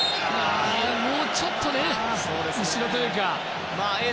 もうちょっと後ろというかね。